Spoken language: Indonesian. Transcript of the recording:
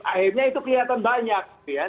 akhirnya itu kelihatan banyak